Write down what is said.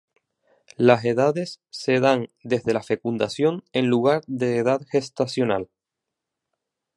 La edades se dan desde la fecundación en lugar de edad gestacional.